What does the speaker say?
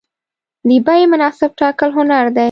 د بیې مناسب ټاکل هنر دی.